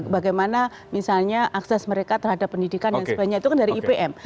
bagaimana misalnya akses mereka terhadap pendidikan dan sebagainya itu kan dari ipm